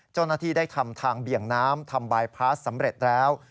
เจ้าหน้าที่ได้ทำทางเบี่ยงน้ำทำบายพาสสำเร็จแล้ว